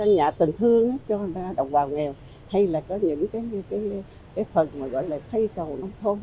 nhà tình thương cho đồng bào nghèo hay là có những cái phần mà gọi là xây cầu nông thôn